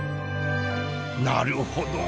なるほど！